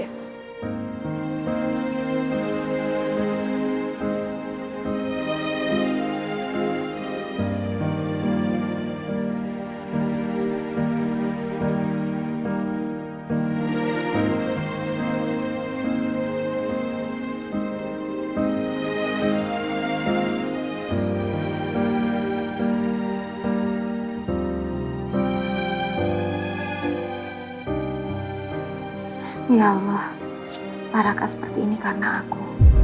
ya allah para akak seperti ini karena aku